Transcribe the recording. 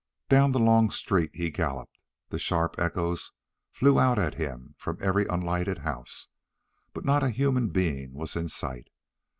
Down the long street he galloped. The sharp echoes flew out at him from every unlighted house, but not a human being was in sight.